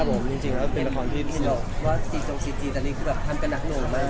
ดรษีทรงชีทจีนตอนนี้ก็ต้องกระหนักหนนู่นกมาก